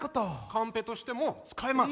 カンペとしても使えます。